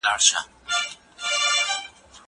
زه مخکي مځکي ته کتلې وې!!